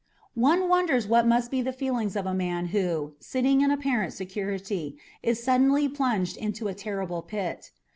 One wonders what must be the feelings of a man who, sitting in apparent security, is suddenly plunged into a terrible pit.